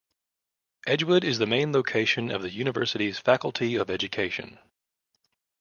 Edgewood is the main location of the university's Faculty of Education.